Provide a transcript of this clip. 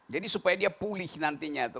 jadi supaya dia pulih nantinya